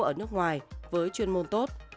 ở nước ngoài với chuyên môn tốt